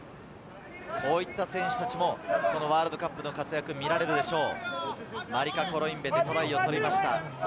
こういった選手たちもワールドカップの活躍が見られるでしょう。